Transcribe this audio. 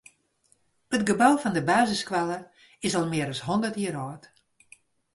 It gebou fan de basisskoalle is al mear as hûndert jier âld.